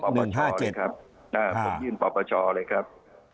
ผมยืนปปชเลยครับ